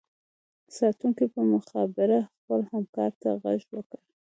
ساتونکي په مخابره خپل همکار ته غږ وکړو